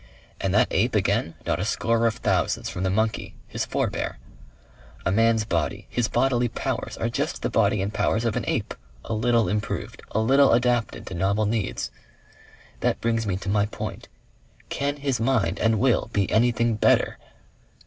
And that ape again, not a score of thousands from the monkey, his forebear. A man's body, his bodily powers, are just the body and powers of an ape, a little improved, a little adapted to novel needs. That brings me to my point. CAN HIS MIND AND WILL BE ANYTHING BETTER?